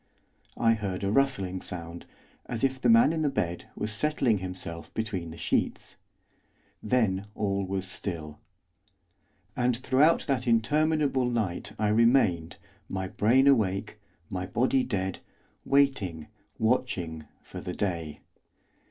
I heard a rustling sound, as if the man in the bed was settling himself between the sheets. Then all was still. And throughout that interminable night I remained, my brain awake, my body dead, waiting, watching, for the day.